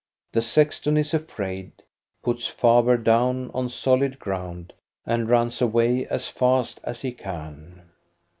The sexton is afraid, puts Faber down on solid ground, and runs away as fast as he can.